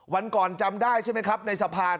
วันก่อนจำได้ใช่ไหมครับในสะพาน